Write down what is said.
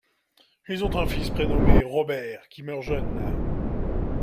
Ils ont un fils prénommé Robert qui meurt jeune.